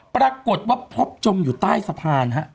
ปรากฏว่าพบจมอยู่ใต้สะพานฮะ